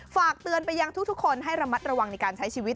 ฝากเตือนไปยังทุกคนให้ระมัดระวังในการใช้ชีวิต